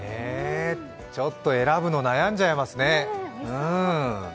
ちょっと選ぶの悩んじゃいますね。